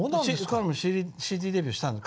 彼もＣＤデビューしたんです